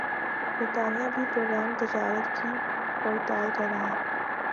برطانیہ بھِی پروگرام تجارت کی پڑتال کر رہا ہے